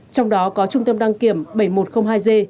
trong đó có trung tâm đăng kiểm bảy nghìn một trăm linh hai g